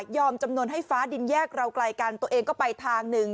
จำนวนให้ฟ้าดินแยกเราไกลกันตัวเองก็ไปทางหนึ่ง